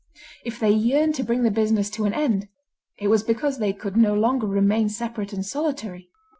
If they yearned to bring the business to an end, it was because they could no longer remain separate and solitary.